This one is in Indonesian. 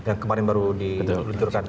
yang kemarin baru diluncurkan pak anies